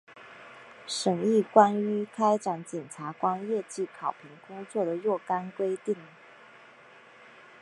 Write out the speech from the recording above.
审议关于开展检察官业绩考评工作的若干规定